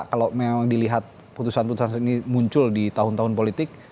kalau memang dilihat putusan putusan ini muncul di tahun tahun politik